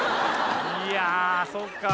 いやそっか。